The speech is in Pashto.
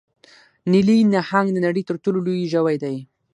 نیلي نهنګ د نړۍ تر ټولو لوی ژوی دی